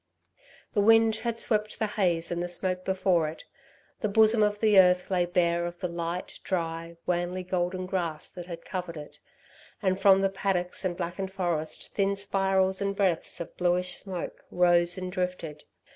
The wind had swept the haze and the smoke before it. The bosom of the earth lay bare of the light, dry, wanly golden grass that had covered it; and from the paddocks and blackened forest thin spirals and breaths of bluish smoke rose and drifted.